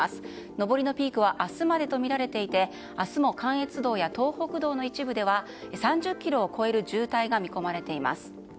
上りのピークは明日までとみられていて明日も関越道や東北道の一部では３０ｋｍを超える渋滞が見込まれています。